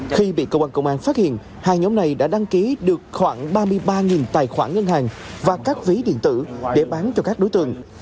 khi bị cơ quan công an phát hiện hai nhóm này đã đăng ký được khoảng ba mươi ba tài khoản ngân hàng và các ví điện tử để bán cho các đối tượng